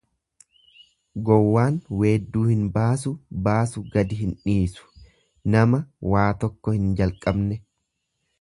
Gowwaan weedduu hin baasu baasu gadi hin dhiisu Nama waa tokko hin jalqabne.